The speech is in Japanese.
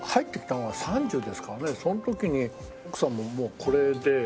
その時に奥さんももうこれで。